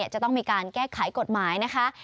จะต้องมีการแก้ไขกฎหมายนะคะ